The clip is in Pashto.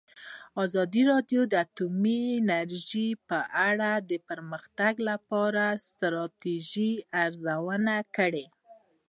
ازادي راډیو د اټومي انرژي په اړه د پرمختګ لپاره د ستراتیژۍ ارزونه کړې.